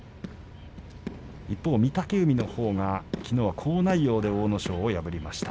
一方、御嶽海のほうがきのうは好内容で阿武咲を破りました。